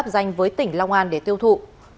cơ quan an để tiêu thụ